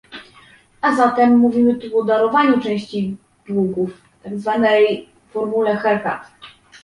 A zatem mówimy tu o darowaniu części długów, tak zwanej formule "haircut"